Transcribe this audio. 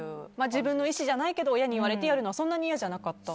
自分の意思じゃないけど親に言われてやるのは嫌じゃなかったと。